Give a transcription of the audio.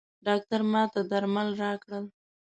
ډاکټر ماته درمل راکړل.